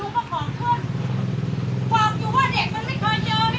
ก็ใช่ไงจะก็ยิ่งใครจะใหญ่ไง